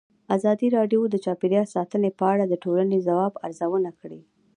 ازادي راډیو د چاپیریال ساتنه په اړه د ټولنې د ځواب ارزونه کړې.